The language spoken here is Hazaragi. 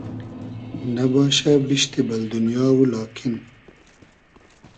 نئباشۂ بیشتی بئل دونیا و لاکین